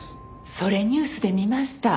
それニュースで見ました。